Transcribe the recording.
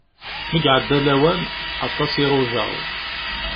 Ma iɛedda lawan, aṭas i rujaɣ.